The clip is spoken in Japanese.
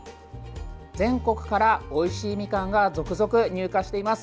全国からおいしいみかんが続々入荷しています。